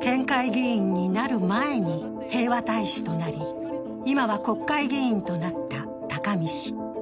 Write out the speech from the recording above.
県会議員になる前に平和大使となり、今は国会議員となった高見氏。